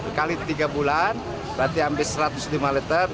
sekali tiga bulan berarti ambil satu ratus lima liter